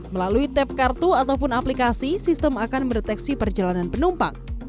melalui tap kartu ataupun aplikasi sistem akan mendeteksi perjalanan penumpang